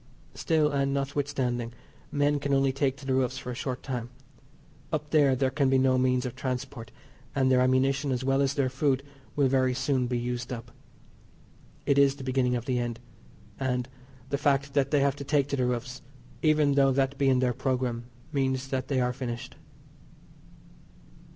Still, and notwithstanding, men can only take to the roofs for a short time. Up there, there can be no means of transport, and their ammunition, as well as their food, will very soon be used up. It is the beginning of the end, and the fact that they have to take to the roofs, even though that be in their programme, means that they are finished.